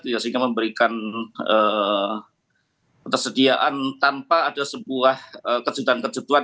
sehingga memberikan tersediaan tanpa ada sebuah kejutuan kejutuan